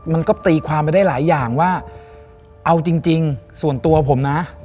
มันก็ตีความไปได้หลายอย่างว่าเอาจริงส่วนตัวผมนะ